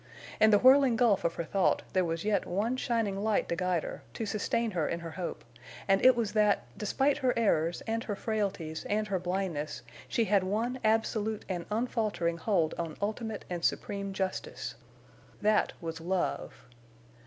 In the whirling gulf of her thought there was yet one shining light to guide her, to sustain her in her hope; and it was that, despite her errors and her frailties and her blindness, she had one absolute and unfaltering hold on ultimate and supreme justice. That was love.